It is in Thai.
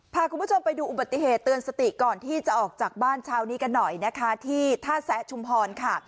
พาคุณผู้ชมไปดูอุบัติเหตุเตือนสติก่อนที่จะออกจากบ้านเช้านี้กันหน่อยนะคะที่ท่าแซะชุมพรค่ะ